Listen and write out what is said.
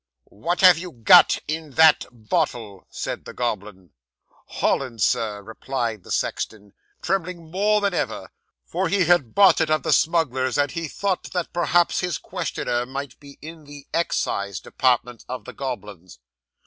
'"What have you got in that bottle?" said the goblin. '"Hollands, sir," replied the sexton, trembling more than ever; for he had bought it of the smugglers, and he thought that perhaps his questioner might be in the excise department of the goblins.